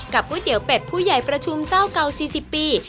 ก๋วยเตี๋ยวเป็ดผู้ใหญ่ประชุมเจ้าเก่า๔๐ปี